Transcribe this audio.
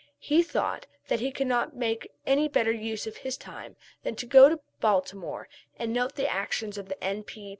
He thought that he could not make any better use of his time than to go to Baltimore and note the actions of the N.